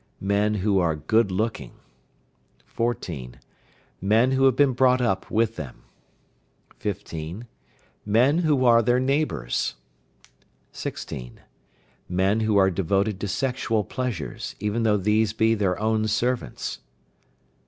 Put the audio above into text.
Men who are good looking. 14. Men who have been brought up with them. 15. Men who are their neighbours. 16. Men who are devoted to sexual pleasures, even though these be their own servants.